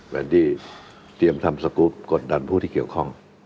เป็นดีเตรียมทำสกุปกดดันผู้ที่เกี่ยวของ